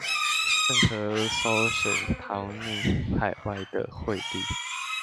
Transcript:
鄭和搜尋逃匿海外的惠帝